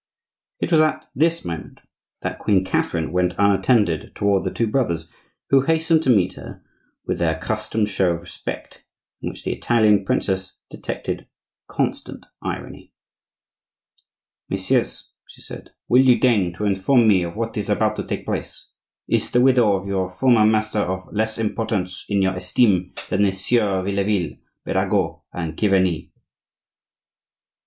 It was at this moment that Queen Catherine went, unattended, toward the two brothers, who hastened to meet her with their accustomed show of respect, in which the Italian princess detected constant irony. "Messieurs," she said, "will you deign to inform me of what is about to take place? Is the widow of your former master of less importance in your esteem than the Sieurs Vieilleville, Birago, and Chiverni?"